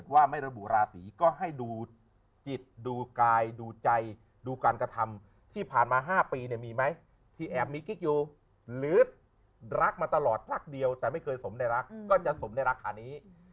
ทำงานมาตลอดพักเดียวแต่ไม่เคยสมในรักก็จะสมในรักค่ะนี้